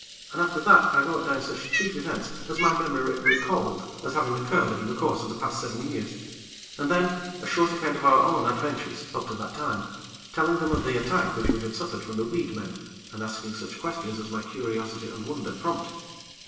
And after that I wrote down such chief events as my memory recalled as having occurred in the course of the past seven years, and then, a short account of our own adventures, up to that time, telling them of the attack which we had suffered from the weed men, and asking such questions as my curiosity and wonder prompted.